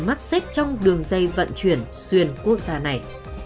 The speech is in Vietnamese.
mắt xích trong đường dây vận chuyển xuyên quốc gia này